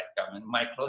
pakaian saya berbau bau